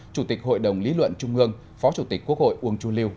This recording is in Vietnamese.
chủ tịch hội đồng lý luận trung ương phó chủ tịch quốc hội uông chu liêu